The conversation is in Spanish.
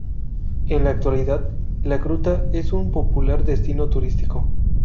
En la actualidad, la Gruta es un popular destino turístico.